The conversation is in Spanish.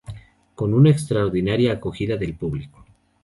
Con una extraordinaria acogida del público.